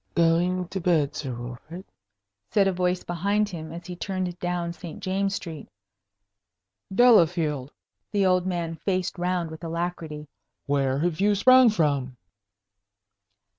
"Going to bed, Sir Wilfrid?" said a voice behind him, as he turned down St. James's Street. "Delafield!" The old man faced round with alacrity. "Where have you sprung from?"